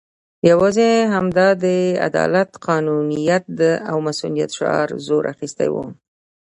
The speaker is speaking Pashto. یوازې همدا د عدالت، قانونیت او مصونیت شعار زور اخستی وو.